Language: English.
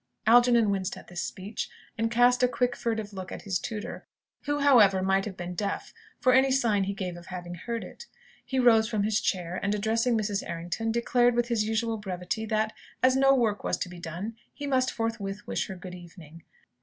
Algernon winced at this speech, and cast a quick, furtive look at his tutor, who, however, might have been deaf, for any sign he gave of having heard it. He rose from his chair, and addressing Mrs. Errington, declared with his usual brevity that, as no work was to be done, he must forthwith wish her "Good evening."